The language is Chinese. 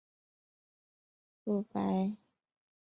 乳白黄耆为豆科黄芪属的植物。